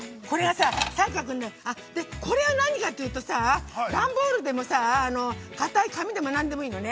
◆これがさ、これは何かというとさ、段ボールでもさ、硬い紙でも、何でもいいのね。